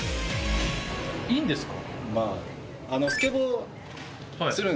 いいんですか？